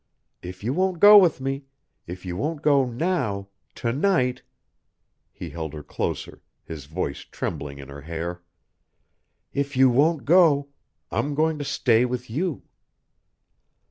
If you won't go with me if you won't go now to night " He held her closer, his voice trembling in her hair. "If you won't go I'm going to stay with you!"